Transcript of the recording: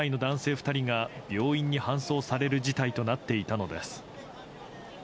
２人が病院に搬送される事態となっていたのです。